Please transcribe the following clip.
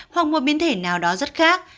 hoặc một biến thể nào đó rất khác